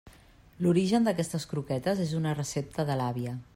L'origen d'aquestes croquetes és una recepta de l'àvia.